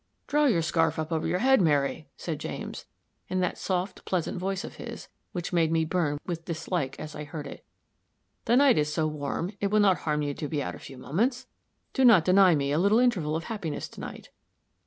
"Draw your scarf up over your head, Mary," said James, in that soft, pleasant voice of his, which made me burn with dislike as I heard it "the night is so warm, it will not harm you to be out a few moments. Do not deny me a little interval of happiness to night."